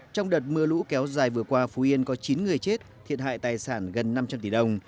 trong đợt mưa lũ kéo dài vừa qua phú yên có chín người chết thiệt hại tài sản gần năm trăm linh tỷ đồng